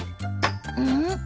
うん？